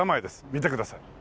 見てください。